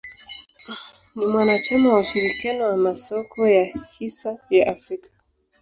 Ni mwanachama wa ushirikiano wa masoko ya hisa ya Afrika.